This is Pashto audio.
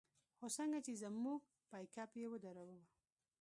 خو څنگه چې زموږ پېکپ يې ودراوه.